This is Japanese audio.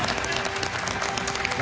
何？